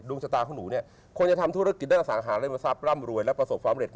ชะตาของหนูเนี่ยควรจะทำธุรกิจได้อสังหาริมทรัพย์ร่ำรวยและประสบความเร็จ